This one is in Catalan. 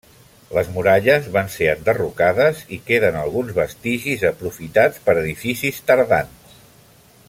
Les muralles van ser enderrocades i queden alguns vestigis aprofitats per edificis tardans.